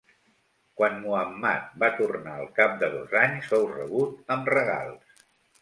Quan Muhammad va tornar al cap de dos anys fou rebut amb regals.